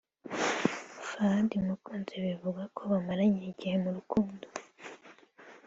Fahad Mukunzi bivugwa ko bamaranye igihe mu rukundo